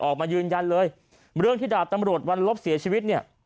ออกมายืนยันเลยเรื่องที่ดาบตำรวจวันลบเสียชีวิตเนี่ย